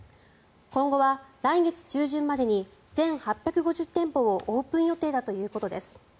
今後は来月中旬までに全８５０店舗をオープン予定だということです。